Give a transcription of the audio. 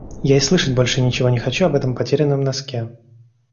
Я и слышать больше ничего не хочу об этом потерянном носке!